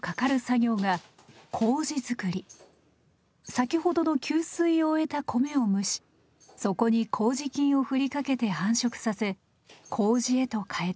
先ほどの吸水を終えた米を蒸しそこに麹菌をふりかけて繁殖させ麹へと変えていきます。